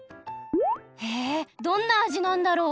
ヘえどんなあじなんだろう？